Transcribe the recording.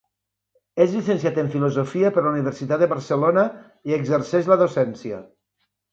És llicenciat en filosofia per la Universitat de Barcelona i exerceix la docència.